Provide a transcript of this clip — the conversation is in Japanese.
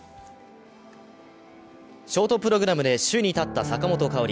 ショートプログラムで首位に立った坂本花織。